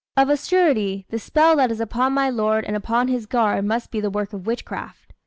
Of a surety, the spell that is upon my lord and upon his guard must be the work of witchcraft.